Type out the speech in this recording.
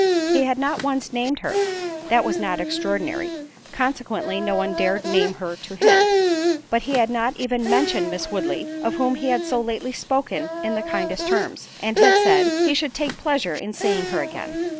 He had not once named her (that was not extraordinary) consequently no one dared name her to him; but he had not even mentioned Miss Woodley, of whom he had so lately spoken in the kindest terms, and had said, "He should take pleasure in seeing her again."